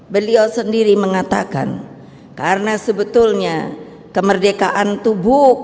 beliau sendiri mengatakan karena sebetulnya kemerdekaan itu bukan saat sekar